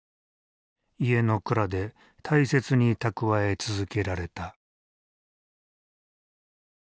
家の蔵で大切に蓄え続けられた。